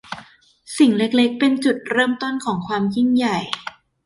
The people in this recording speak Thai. สิ่งเล็ก ๆ เป็นจุดเริ่มต้นของความยิ่งใหญ่